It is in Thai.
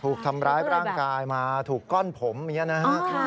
ถูกทำร้ายร่างกายมาถูกก้อนผมอย่างนี้นะฮะ